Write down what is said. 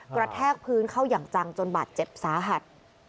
กระแทกพื้นเข้าอย่างจังจนบาดเจ็บสาหัส